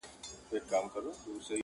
• ځوانان پرې بحث کوي کله,